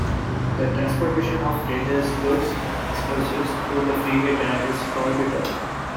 The transportation of dangerous goods and explosives through the freeway tunnel is prohibited.